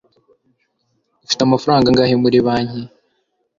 ufite amafaranga angahe muri banki